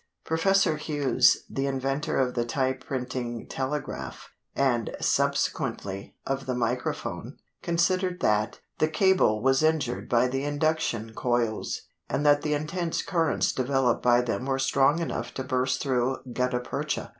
Professor Hughes, the inventor of the type printing telegraph, and, subsequently, of the microphone, considered that "the cable was injured by the induction coils, and that the intense currents developed by them were strong enough to burst through gutta percha."